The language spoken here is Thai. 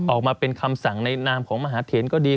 ออกมาเป็นคำสั่งในนามของมหาเถนก็ดี